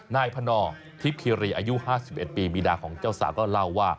นายพนทิพย์คิรีอายุ๕๑ปีมีดาของเจ้าสาวก็เล่าว่า